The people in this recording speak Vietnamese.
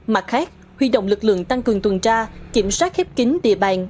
mặt khác huy động lực lượng tăng cường tuần tra kiểm soát khép kính địa bàn